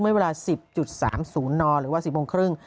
ไม่เวลา๑๐๓๐นหรือว่า๑๐๓๐น